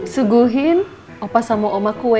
suguhin apa sama oma kue